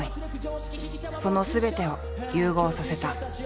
そのすべてを融合させた。